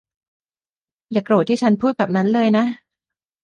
อย่าโกรธที่ฉันพูดแบบนั้นเลยนะ